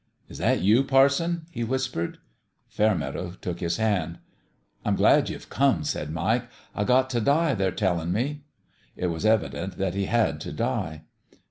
" Is that you, parson ?" he whispered. Fairmeadow took his hand. " I'm glad ye've come," said Mike. " I got t' die, they're tellin' me." It was evident that he had to die.